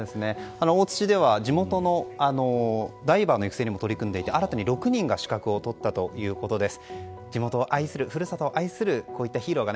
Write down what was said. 大槌では地元のダイバーの育成にも取り組んでいて新たに６人が資格をとったということです。